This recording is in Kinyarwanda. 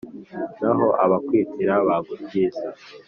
naho abakwatira bagutiza